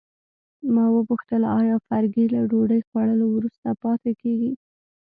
ما وپوښتل آیا فرګي له ډوډۍ خوړلو وروسته پاتې کیږي.